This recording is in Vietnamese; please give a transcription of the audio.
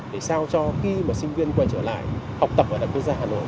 để sao cho khi mà sinh viên quay trở lại học tập ở đại quốc gia hà nội